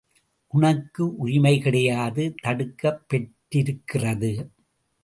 உனக்கு உரிமைகிடையாது தடுக்கப் பெற்றிருக்கிறது.